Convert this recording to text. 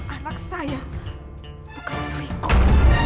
anak saya bukannya selingkuh